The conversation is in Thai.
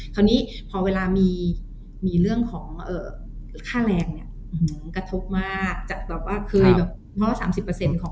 คราวนี้พอเวลามีเรื่องของค่าแรงเนี่ยกระทบมากจากแบบว่าเคยแบบห้อสามสิบเปอร์เซ็นต์ของ